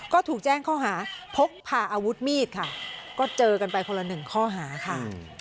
ก็เจอกันไปคนละหนึ่งข้อหาค่ะ